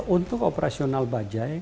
untuk operasional bajai